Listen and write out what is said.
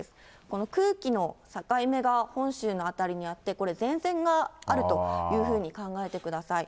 この空気の境目が本州の辺りにあって、これ、前線があるというふうに考えてください。